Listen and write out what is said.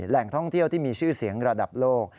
แหล่งท่องเที่ยวที่มีชื่อเสียงระดับโลก